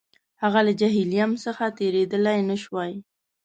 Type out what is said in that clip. هغه له جیهلم څخه تېرېدلای نه شوای.